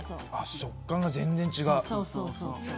食感が全然違う。